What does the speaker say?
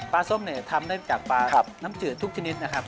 ส้มเนี่ยทำได้จากปลาน้ำจืดทุกชนิดนะครับ